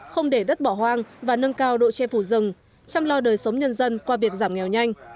không để đất bỏ hoang và nâng cao độ che phủ rừng chăm lo đời sống nhân dân qua việc giảm nghèo nhanh